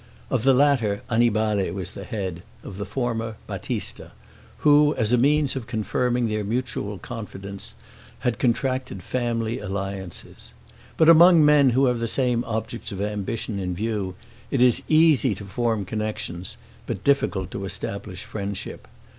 Of the latter, Annibale was the head; of the former, Battista, who, as a means of confirming their mutual confidence, had contracted family alliances; but among men who have the same objects of ambition in view, it is easy to form connections, but difficult to establish friendship.